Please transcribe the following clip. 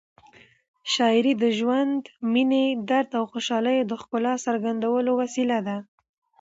شاعري د ژوند، مینې، درد او خوشحالیو د ښکلا څرګندولو وسیله ده.